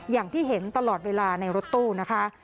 อย่างที่เห็นตลอดเวลาในรถตู้นะคะ